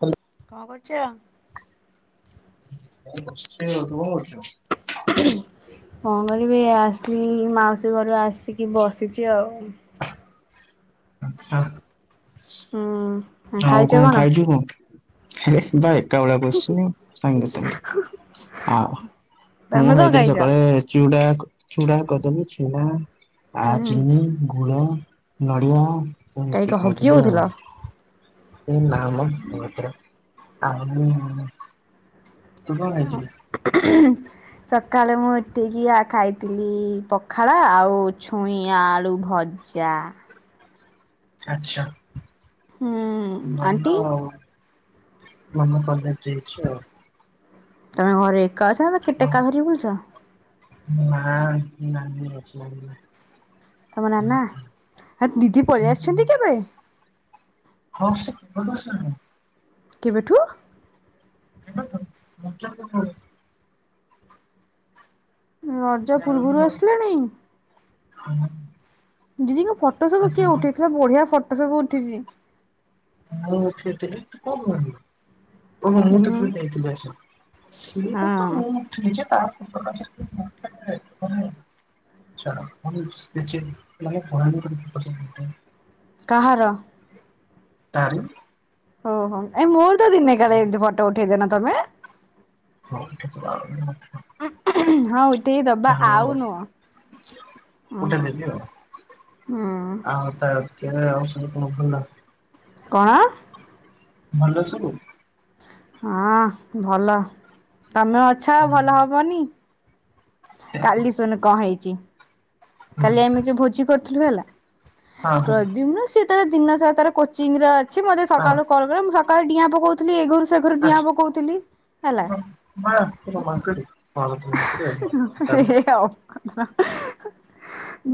ଆ କଁ କରୁଚ? ଏଇ ବସଥିନି। ଆଉ ତୁ କଁ କରୁଚୁ? କଁ କରିବି ଏ ଆସଥିଲି ମାଉସୀ ଘରୁ ଆସିକି ବସିଚି ଆଉ। ଆଉ ହଁ। ଆଉ କଁ ଖାଇଚୁ କଁ ଲେ ବା ଏକା ବଳିଆ କୋଶ୍ଚିନି ସାଙ୍ଗେ ସାଙ୍ଗେ ଆଉ ମୁଁ ତମେ କଣ ଖାଇଥିଲି ଖାଇଛ? ସକାଳେ ଚୂଡ଼ା କ ଚୁଡ଼ା କଦଳୀ ଚିଳା ଆ ହୁଁ ଚିିନି ଗୁଡ଼ ନଡ଼ିଆ କାଇଁ କ ହଗି ହୋଉଥିଲ? ଏ ନାଁ ମ ଅଭଦ୍ର ଆଉ ତୁ କଣ ହଁ। ଖାଇଥିଲୁ ସକାଳେ ମୁଁ ଉଠିକି ଆ ଖାଇଥିଲି ପଖାଳ ଆଉ ଛୁଇଁ ଆଳୁ ଭଜା। ଆଚ୍ଛା। ହୁଁ ଆଣ୍ଟି ଭଲ ଆଉ ମାମା କଲେଜ ଯାଇଛି ଆଉ ତମେ ଘରେ କାହା ସାଙ୍ଗରେ ଟେକା ଥରିକି ବୁଲୁଛ। ନା ନାଲି ଅଛି ଆଗରୁ। ତମ ନାନା ଆ ଦିଦି ପଳେଇ ଆସିଛନ୍ତି ଏବେ। ହଉ ସେପଟୁ ସେମିତି କିବେଠୁ ହେ ମଜ ରଜା ପୂର୍ବରୁ ଆସିଲାଣି। ହଁ ଦିଦିଙ୍କ ଫଟୋ ସବୁ କିଏ ଉଠେଇଥିଲା, ବଢିଆ ଫଟୋ ସବୁ ଉଠିଛି। ଆ ସେତ ଏ ତ କଣ? ଓ ମୁଁ ତ ହୁଁ ଦେଇଥିଲି ଆଛା, ସେଇଟା ତ ହଁ ମୁଁ ଉଥେଇଛି, ତାପରେ [unintelligible] କାହାର? ତାର। ଓଁ ହୋ ଆ ମୋର। ଦିନେ କାଳେ ଏମିତି ଫଟ ଉଠେଇ ଦେଇନ ତ। ତମେ [unintelligible] ଆ ହାଁ ହାଁ ହାଁ ହାଁ ଟ ଦବା ଆଉ ନୁହଁ ହୁଁ ଗୋଟେ ଦେବି ଆଉ। ହୁଁ। କେ ଆଉ ସବୁ କଣ ଭଲ ନା? କଣ? ଭଲ ସବୁ? ହଁ ଭଲ। ତମେ ଅଛ ହୁଁ ଭଲ ହବନି। କାଲି ଶୁନ କଣ ହେଇଛି। କାଲି ହଁ ଆମେ ଯୋଉ ଭୋଜି କରୁ ଦେଲୁ ହେଲା। ହଁ ପ୍ରଦୀମ୍ନ ସେ ଦିନ ସାରା ତାର କୋଚିଂ ର ଅଛି ମୋତେ ହଁ ସକାଳୁ କଲା, ମୁଁ ସକ ଡିଆଁ ପକଉଥିଲି ଏ ଘରୁ ସେ ଘରୁ ଡିଆଁ ପକଉଥିଲି ଆଛା ତ ମାଙ୍କ ତ ମା କରି ଆ। ହେ ଆଉ।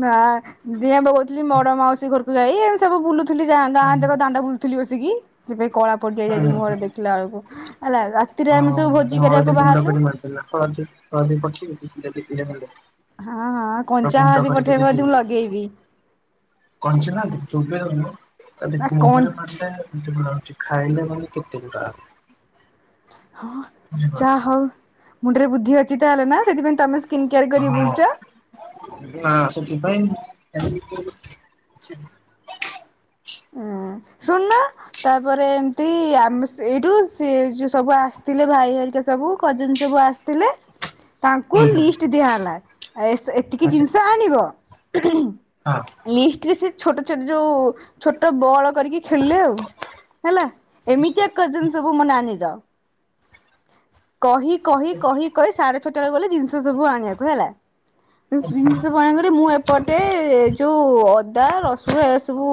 ନା। ଦିଆଁ ପକଉଥିଲି ବଡ ମାଉସୀ ଘରକୁ। ଭାଇ ଏ ସବୁବୁଲୁ ଥିଲ ଗାଁ ଯାକ ଦାଣ୍ଡା ବୁଲୁଥିଲି ବସିକି। ବେ କଳା ପଟି ଯାଇଯାଇଛି ହୁଁ ହୁଁ। ମୁଁହରେ ଦେଖିଲା ବେଳକୁ ହେଲା ରାତିରେ ହଁ ଆମେ ସବୁ ଭୋଜି କରିବାକୁ ହଳଦୀ ଗୁଣ୍ଡ ବାହାରିଲୁ। ଫ ମାରିଦେଲା ହଳଦୀ ହଳଦୀ ପକେଇି ପେ ଭେ ହଁ ହଁ କଞ୍ଚା ହଲତି ପଥେଇବା ଯଦି ମୁ ଦେଇଦେଲି ଲଗେଇବି। ଚିବିଲାନ ତା ନା ଦେଖ ମୁରେ କଞ୍ଚା ପାଟା। କିଛି ଖାଇନି ବୋଲି କେତେ ଦୂର ଆ ହଁ ଯାହା ହଉ ମୁଣ୍ଡରେ ବୁଦ୍ଧି ଅଛି। ଚିତା ହେଲା ନା ସେଥିପାଇଁ ତମେ ସ୍କିନ୍ କେୟାର କରି ହଁ ବୁଲୁଛ। ନା ସେଥିପାଇଁ। ଛି ହଁ ଶୁଣନ ତାପରେ ଏମତିମ ଏଇଠୁ ସେ ଯୋଉ ସବୁ ଆସିଥିଲେ ଭାଇ ଭରିକା ସବୁ କଜିନ ସବୁ ଆସି ତାଙ୍କୁ ହଁ। ଲିଷ୍ଟ ଦିଆ ହେଲା ଏତିକି ଜିନିଷ ଆଣିବ। ଲିଷ୍ଟରେ ସେ ଛୋଟ ଛୋଟ ଯୋଉ ଛୋଟ ବଳ କରିକି ଖେଳିଲେ ଆଉ ହେଲା ଏମିତି କଜ ସବୁ ମୋ ନାନୀର କହି କହି କହି କହି ସାଢେ ଛଅଟା ବେକୁ ଗଲେ ଜିନିଷ ସବୁ ଆଣିବାକୁ ହେଲା ଜିନିଷ ସବୁ ଆଣିବା କରିରି ମୁଁ ଏପଟେ ଯୋଉ ଅଦା ରସୁଣ ଏ ସବୁ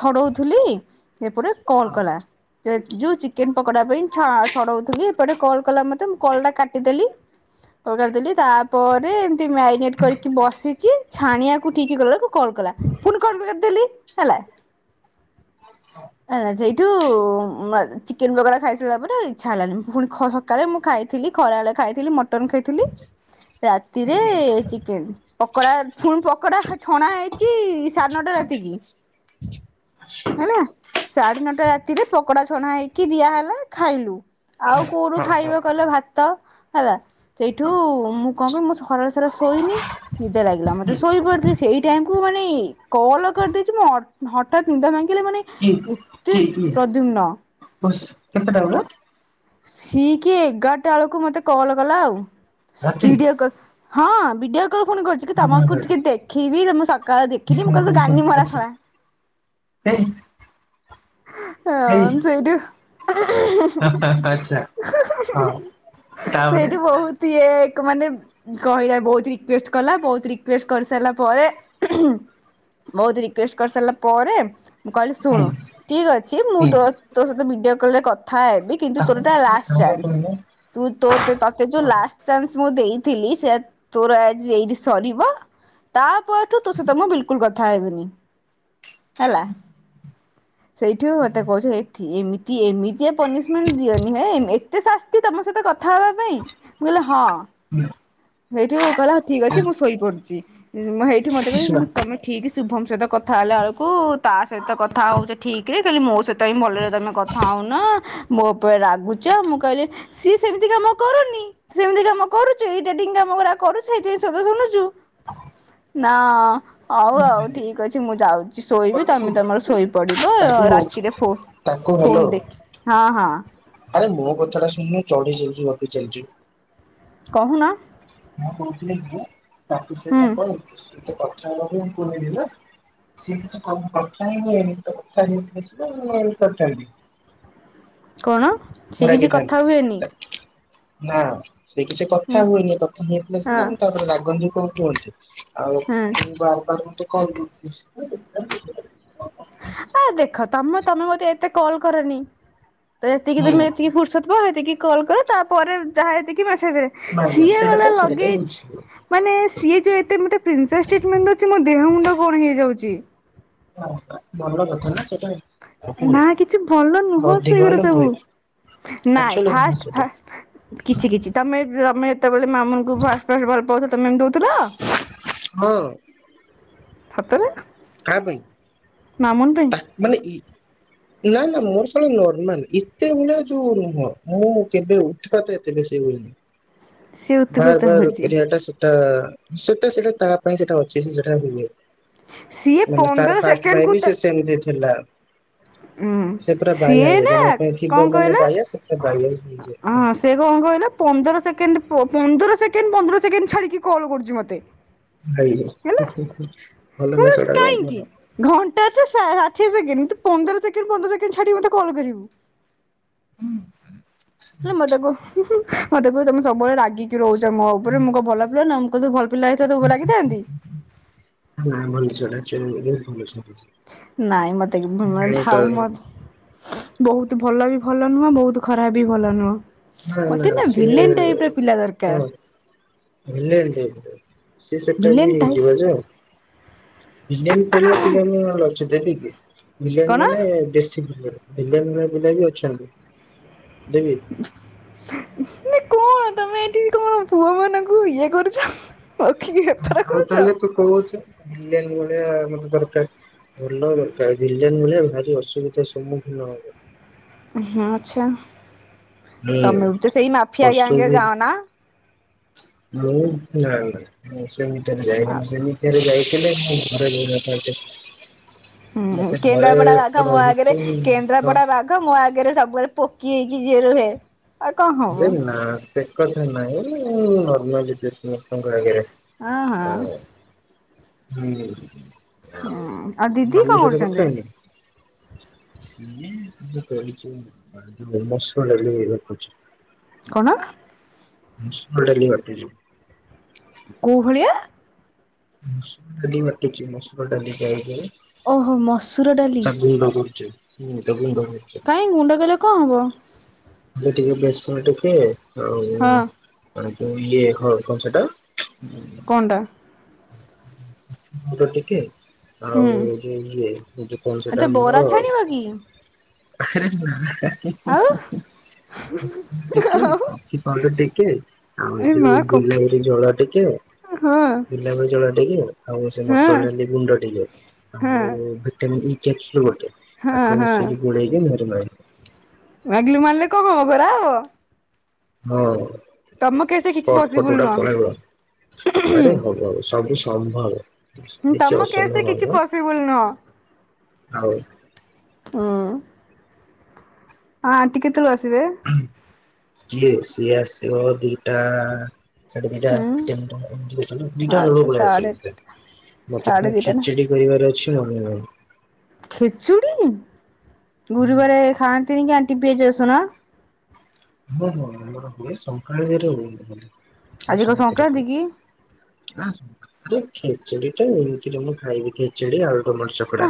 ଛଡଉଥିଲି। ସେପଟ କଲ ହଁ ହଁ କଲା ଯୋଉ ଚିକେନ ା ପାଇଁ ଛ ଛଡଉଥିଲି ଏପଟେ କଲ୍ କଲା ମତେ ମୁ କଲ ଟା କାଟିଦେଲି କଲାଦେଲି ତାପରେ ମ୍ୟାରିନେଟ୍ କରିକି ବସିଛି। ଛାଣିଆକୁିକ ଠିକ୍ କଲା ବେଳକୁ କଲା ପୁଣି କଣଦ ହେଲା ହେଲା ସେଇଠୁ ଚିକେନ ବଗଡା ଖାଇସାରିଲା ପରେ ଇଛା ହେଲାନି ମୁଁ ପୁଣି ସକାଳେ ମୁଁ ଖାଇଥିଲି ଖରାବେେଳେ ଖାଇଥିଲି ମଟନ ଖାଇଥିଲି। ରାତିରେ ଚିକେନ ପକୋଡା ପୁଣି ପକୋଡା ଛଣା ହେଇଛି ସାଢ଼େ ନଅଟା ରାତିକି। ହେଲା ସାଢେ ନଅଟା ରାତିରେ ପକୋଡା ଛଣା ହେଇକି ଦିଆହେଲା ଖାଇଲୁ ଆଉ କୋଉଠୁ ଖାଇବ କିଲ ଭାତ ହେଲା ସେଇଠୁ ମୁଁ କଣ କିଲି ମୁଁ ସରରେ ସାରା ଶୋଇନି ନିଦେ ଲାଗିଲା ମତେ ଶୋଇପଡିଥିଲ ସେଇ ଟାଇମକୁୁ ମାନେ କଲ କରିଦେଇଛି ମୁଁ ହଠତ୍ ଦି ପାଇଁ କି କି କି ବସ କେତେ ଟା ବେଳେ ସି କି ଏଗାରଟା ବେଳକୁ ମତେ କଲ କଲା ଆଉ। ରାତି ସିଡିଓ କ ହଁ। ବିଡିୟକ। ସକାଳୁ ଫୁଣି କରୁଛି କି ତମକୁ ଟିକେ ଦେଖିବି। ମୁଁ ସକାଳୁ ଦେଖିନି। ମୁଁ କହିଲୁ ଗାନି ମରା ଆଚ୍ଛା ସଳା। ଏଇ ଏଇ ହ ସେଇରି ଆଚ୍ଛା ହଁ ତାପରେ ସେଇଠୁ ବହୁତ ଇଏ ଲୋକ ମାନେ କହିଲେ ବହୁତ ରିକ୍ୱେଷ୍ଟ କଲା ବହୁତ ରିକ୍ୱେଷ୍ଟ କରିସାରିଲା ପରେ ବହୁତ ରିକ୍ୱେଷ୍ଟ କରିସାରିଲା ପରେ ମୁଁ କହିଲି ହୁଁ ଶୁଣୁ। ହୁଁ ଠିକ୍ ଅଛି ମୁଁ ତ ତୋ ସହିତ ଭଡିଓ କଲେ କ କଥା ହେବି କିନ୍ତୁ ତାକୁ ତୋର ଟା ଲାଷ୍ଟ୍ ତାକୁ କାମ ଚାନ୍ସ୍ କରିବ। ତୁ ତୋ ତତେ ଯୋଉ ହଁ ଲାଷ୍ଟ୍ ଚାନ୍ସ୍ ମୁଁ ଦେଇ ଥିଲି ସେ ତୋର ଆଜି ଏଇଠି ସରିବ। ତା ପରଠୁ ତୋ ସହିତ ମୁଁ ବିଲକୁଲ କଥା ହେବିନି। ହଁ। ଆଲା। ସେଇଠୁ ମତେ କହୁଛି ଏ ଠିମି ଏମିତି ଏ ପନିଶମେଣ୍ଟ୍ ଦିଅନି ହେ। ଏତେ ଶାସ୍ତି ତମ ସହିତ କଥ କଥା ହେବା ପାଇଁ। ମୁଁ କହିଲି ହଁ। ହଁ ସେଇଠୁ କହିଲା ଠିକ୍ ଅଛି ମୁଁ ଶୋଇପଡିଛି। ହେଇଠି ମତେ ହୁଁ କହେ ଶୁଣ ମୁଁ ତମ ଠିକ୍ ଶୁଭମ ସହିତ କଥା ହେଲା ଆଳକୁ କୁ ତା ସହିତ କଥା ହଉଚ। କୋଲି ମୋ ସ ତ ଭଲରେ ତମେ କଥା ହଉନ। ମୋ ଉପ ରାଗୁଚ ମୁଁ କହିଲି ସିଏ ସେମିତି କାମ କରୁନି। ସେମିତି କାମ କରୁଛୁ। ଏଇଟା କାମ ଗୁରା କରୁଛୁ ଏଇଥିଁ ପାଇଁ ଶୋଦା ଶୁଣୁଛୁ। ହଁ। ନା। ହଉ ଆଉ ଠିକ୍ ଅଛି। ମୁଁ ଯାଉଛି ଶୋଇବି ତମେ ତମର ଶୋଇ ତାକୁ ରାତିରେ ଫୋ ତାକୁ ହ୍ୟାଲୋ ଫୋନ ଦେଖି ହଁ ହଁ। ଆରେ ମୋ କଥାଟା ଶୁଣୁନୁ। ଚଢି ଚାଲିଛି ଗପି ଚାଲିଚୁ। କହୁନ। କଣ କହୁଥିଲେ କି? ତାକି ହୁଁ ସେଇଟା କର। ମୁଁକ କଣ? ସେ କିଛି କଥା ହୁଏନି? ନାଁ ସେ କିଛି କଥା ହୁଁ ହୁଏନି କଥା ହେଇଥିଲେ ସିନା ହଁ। ମୁଁ ତାପରେ ରାଗିନ୍ତି କଣ କୁହନ୍ତୁ? ଆଉ ହୁଁ ବାରବାର ମତେ କଲ କରୁଛି। ହୁଁ ଆ ଦେଖ ତମେ ତମେ ମୋତେ ଏତେ କଲ୍ କରନି। ତ ଏତିକି ତମେ ଏତିକ ଫୁର୍ସତ ପାଅ ଏତିକି କଲ୍ କର ତାପରେ ଯାହା ଏତିକି ଆଚ୍ଛା ଆଚ୍ଛା ନାଇଁ ନାଇଁ ସିଏ ସେଇଟା ତ ଗଲା ସେଇଟା ତ ଲଗେଜ୍ ବୁଝିବ। ମାନେ ସିଏ ଯେ ଏତେ ମୋତେ ପ୍ରିନ୍ସେସ ଟ୍ରିଟମେଣ୍ଟ ଦେଉଛି ମୋ ଦେହ ମୁଣ୍ଡ କଣ ହେଇଯାଉଛି। ହଁ ଭଲ କଥା ନା ସେ ନା କିଛି ଭଲ ନୁହଁ ଅଧିକ ସେ ଗୁରା ହେଲେ ସବୁ ହୁଏ ନାଇଁ ଆକ୍ଚୁଆଲି ଭଲ ଫାଷ୍ଟ ସେଟା ପା କିଛି କିଛି ତମେ ତମେ ତମେ ଯେତେବେଳେ ମାମୁଙ୍କୁ ଫାଷ୍ଟ ଫାଷ୍ଟ ଭଲ ପାଉଥିଲ ତମେ ଏମିତି ହଉଥିଲ। ହଁ। ସତରେ କାହା ପାଇଁ ମାମୁନ ପାଇଁ ତା ମାନେ ଇ ନା ନା ମୋର ସେଇଟା ନର୍ମାଲ ଏତେ ଭଳିଆ ଯୋଉ ନୁହଁ ମୁଁ କେବେ ଉଠିବା ତ ଏତେ ବେଶୀ ହୁଏନି। ସିଏ ଉତ୍ପାତ ବାରବାର ହଉଛି। ଏଠି ସେଠି ତ ସେଟା ସେଟା ତା ପାଇଁ ସେଟା ଅଛି ସେ ସେଟା ହୁଏ। ସିଏ ମାନେ ପନ୍ଦର ତାର ଫାଷ୍ଟ ସେକେଣ୍ଡ ପାଇଁ କୁ ବି ତା ସେ ସେମିତି ଥିଲା ଉଁ ସେ ପୁରା ବାଇଆ ସିଏ ହେଇଯାଇଚି, ନା ଜଣଙ୍କ ପାଇଁ କଣ ଥିବ କହିଲ ମାନେ ବାଇଆ ସେ ପୁରା ବାଇଆ ହଁ ସେ କଣ କହିଲ ପନ୍ଦର ସେକେଣ୍ଡ ପନ୍ଦର ସେକେଣ୍ଡ ପନ୍ଦର ସେକେଣ୍ଡ ଛାଡିକି କଲ କରୁଛି ମୋତେ। ଭାଇରେ ହେ ହେ ପରନ୍ତୁ କାହିଁକି ଘଣ୍ଟାଟା ଷାଠି ପନ୍ଦର ସେକଣ୍ଡ ତୁ ପନ୍ଦର ସେକଣ୍ଡ ଛାଡିକି ମତେ କଲ୍ କରିବୁ। ହୁଁ ସେ ମଦକୁୁ ହୁଁହୁଁ ମତେ କହୁଚି ତମେ ସବୁବେଳେ ରାଗିକି କହୁଚ ମୁହଁ ଉପରେ ମୁଁ କଣ ଭଲ ପିଲ ନୁହଁ ତୁ ଭଲ ପିଲା ହେଇଥିଲେ ତୋ ଉପରେ ରାଗିଥାନ୍ତି ନାଇଁ ଭଲ ଛୁଆଟାଏ। ଚିହ୍ନିଲି ଯେ ଭଲ ଛୁଆ। ନାଇଁ ମତେ ଭଲ ଥାଉ ଜାଣିପାରୁନି ମ ବହୁତ ଭଲ ବି ଭଲ ନୁହଁ ବହୁତ ଖରାପ ବି ଭଲ ନୁହଁ। ନା ମତେ ନା ସିଏ ଭିଲେନ ଟାଇପ ର ପିଲା ଦରକାର ହଁ ବିଲେଇ ନୁହଁ ସିଏ ସେଟା ଭିଲେନ ବି ଟାଇପ ହେଇଯିବ। ବିରିଆନି କରିବା ବିରିଆନି ଭଲ ଯେ ଦେବିକି? ବିରିଆନି କଣ? ମାନେ ବେଶୀ ବିଲେଇ ମାନେ ପିଲା ବି ଅଛନ୍ତି। ଦେବି? ମାନେ କଣ ତମେ ଏଠି କଣ ପୁଅ ମାନଙ୍କୁ ଇଏ କରୁଛ। ରଖିକି ବେପାର ଆଉ କରୁଛ? ତାହେଲେ ତୁ କହୁଛୁ । ଭିଲିଏନ ଭଳିଆ ଲୋକ ଦରକାର। ଭଲ ଦରକାର ଭିଲିଆନ ଭଳିଆ ଟିକେ ଅସୁବିଧାର ସମ୍ମୁଖୀନ ହବ। ହଁ ଆଚ୍ଛା। ମୁଁ ତମେ ବି ତ ସେଇ ମାଫିଆ ଗ୍ୟାଙ୍ଗ ରେ ଅସୁବି ଯାଅ ନା। ମୁଁ ନା ନା। ସେମିତିରେ ଯାଇନି ମୁଁ ସେମିିତିଆରେ ଯାଇ ହେଲେ ମୋ ଘରେ ରହିନଥାନ୍ତି। ହୁଁ ମତେ ଘରେ କେନ୍ଦ୍ରାପଡା ବାଘ ମୋ ଆଗରେ ରହିଛୁ ତ କେନ୍ଦ୍ରାପଡା ବାଘ ମୋ ଆଗରେ ସବୁବେଳେ ପୋକି ହେଇକି ଯିଏ ରୁହେ । ଆ କଣ ଏ ହବ। ନା ସେ କଥା ନାଇଁ ମୁଁ ନର୍ମାଲି ଯେ ସମସ୍ତଙ୍କ ଆଗରେ। ଆ ଅ ହଁ। ହୁଁ। ହଁ ଆଉ ଆଉ ଦିଦି ମାମୁଁ କଁ ସହିତ କଥା କରୁଚନ୍ତି? ହେଇନୁ? ସିଏ ଏବେ କରିଚି [unintelligible] ମସୁର ଡାଲି ଘୋଟୁଚି। କଣ? ମସୁର ଡାଲି ବାଟୁଚି। କୋଉ ହଳିଆ? ମସୁର ଡାଲି ବାଟୁଚି ମସୁର ଡାଲି ଜାଇ ଯୋଉ। ଓହୋ ମସୁର ତା ଗୁଣ୍ଡ କରୁଚି। ହୁଁ ତା ଗୁଣ୍ଡ। କରୁଚି କାଇଁ ଗୁଣ୍ଡ କଲେ କଁ ହବ? ହେଲେ ଟିକେ ବେଶର ଟିକେ ଆଉ ହଁ ଆଉ ତ ଇଏ ହଁ କଁ ସେଟା ଉଁ କଣଟା ମୋଦ ଟିକେ ଆଉ ହୁଁ ଯୋଉ ଇଏ ଏଇ ଯୋଉ କଣ ସେଟା ଆଚ୍ଛା ଆମର ବରା ଛାଣିବ କି? ଆରେ ନାଁ। ଏ ଆଉ ସେତୁରୁ ଟିକେ କଫି ପାଉଡ଼ର ଟିକେ ଆଉ ଯୋଉ କଫି ଗୁଲାବରି ଜଳ ଟିକେ ହଁ ହଁ ଗୋଲାପ ଜଳ ଟିକେ ଆଉ ସେ ମସୁର ଡାଲି ହଁ ଗୁଣ୍ଡ ଟିକେ ଆଉ ଭିଟାମିନ୍ ଇ କ୍ୟାପସୁଲ ଗୋ ଟେ ହଁ ତାକୁ ମିଶେଇକି ଗୋଳେଇକି ମୁଁ ଏ ମାଇଲେ। ମାଗିଲେ ମାରିଲେ କଁ ହବ ଗୋରା ହବ? ହଁ। ତମ କେସରେ କିଛି ସ୍ପଟ୍ ଫଟ୍ ପସିବୁଲ ଉଡ଼ା ନୁହଁ ପଳେଇବ। ଆରେ ହବ ହବ ସବୁ ସ ସମ୍ଭବ। ଉଁ କିଛି ତମ କେସରେ ଅସମ୍ଭବ କିଛି ନୁହଁ। ପସିବୁଲ ନୁହଁ। ଆଉ ଉଁ। ହଁ ଟିକେ ତଳୁ ଆସ୍ ଥିବେ କିଏ ସିଏ ଆସିବ ଦିଟା ସାଢେ ଦିଟା ହୁଁ ତିନଟା ଏମତି ହେଇଯିବ ଦିଟା ଅଳୁକୁ ଆଚ୍ଛା ସାଢେ ପଳିଆସିବେ ଦେ ମତେ ସାଢେ ପୁ ଦିଟା ଖିଚିଡି଼ କରିବାର ଅଛି। ଏ ଅନ୍ୟ ଖେଚୁଡ଼ି? ଗୁରୁବାରେ ଖାଆ ନ୍ତିନି କି ଆଣ୍ଟି ପିଆଜ ରସୁଣ? ହଁ ହଁ ଆମର ହୁଏ ସଂକ୍ରାନ୍ତିରେ ହୁଏନି ଖାଲି। ଆଉ ଆଜି କଣ ସବୁଥିରେ ସଂକ୍ରାନ୍ତି ହୁଏ। କି? ଖେଚୁଡି ଟକ ଏମିତିରେ ମୁଁ ଖାଇବି ଖେଚେଡି ଆଉ।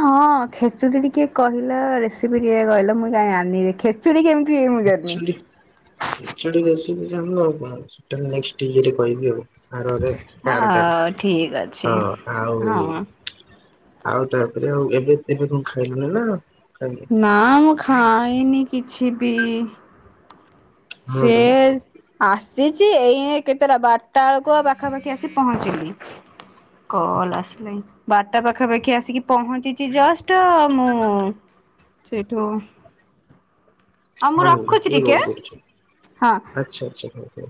ହଁ ହଁ ଖେଚୁୁଡି ଟିକେ କହିଲ ରେସ୍ ଟିକେ କହିଲ ମୁଁ କାଇଁ ଜାଣିନି ଖେଚୁଡ଼ି କେମିତି ହୁଏ ମୁଁ [unintelligible] ଜାଣିନି। ଖେଚୁଡି ରେସିପି ଜାଣିଲେ [unintelligible] ନେଷ୍ଟ ଇରେ କହିବି ଆଉ। ଆରରେ ହଁ ଆରଟାରେ ଠିକ ଅଛି ହଁ ଆଉ ହଁ ଆଉ ତାପରେ ଆଉ ଏବେ ଏବେ କଣ ଖାଇଲୁଣିି ନା? ଖାଇନୁ? ନଁ ମୁ ହଁ ଏଇନି କିଛି ବି? ହଁ ସେ ଭାଇ ଆସିଛି ଏଇ କେତେଟା ବାରଟା ବେଳକୁ ଆଉ ପାଖାପାଖି ଆସି ପହଞ୍ଚିଲି। କଲ ଆସ ନା? ବାରଟା ପାଖାପାଖି ଆସିକି ପହଞ୍ଚିଛି ଜଷ୍ଟ ମୁଁ ସେଇଠୁ ଆଉ ମୁଁ ହଁ ଭାଇ ରଖୁଛି କିଏ ଟିକେ କଲ୍ କରୁଛି? ହଁ। ଆଚ୍ଛା ଆଛା ହ ହଁ।